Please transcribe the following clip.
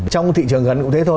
trong thị trường gần cũng thế thôi